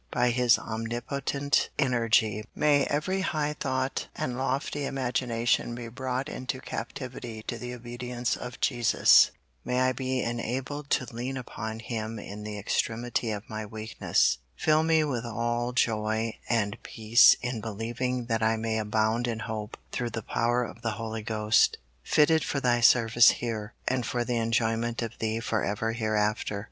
By His omnipotent energy may every high thought and lofty imagination be brought into captivity to the obedience of Jesus. May I be enabled to lean upon Him in the extremity of my weakness. Fill me with all joy and peace in believing that I may abound in hope through the power of the Holy Ghost; fitted for Thy service here, and for the enjoyment of Thee forever hereafter.